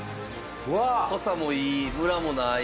濃さもいいムラもない。